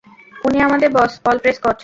উনি আমাদের boss, Paul Prescott.